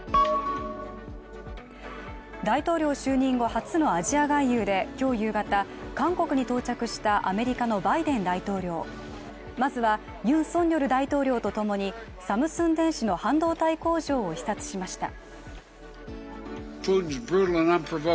大統領就任後初のアジア外遊で、今日夕方韓国に到着したアメリカのバイデン大統領まずはユン・ソンニョル大統領とともにサムスン電子の半導体工場を視察しました。